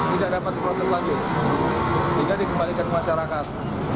tidak dapat diproses lagi sehingga dikembalikan ke masyarakat